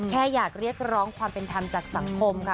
แค่อยากเรียกร้องความเป็นธรรมจากสังคมค่ะ